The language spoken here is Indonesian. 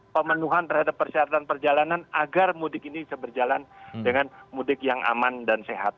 pemenuhan terhadap persyaratan perjalanan agar mudik ini bisa berjalan dengan mudik yang aman dan sehat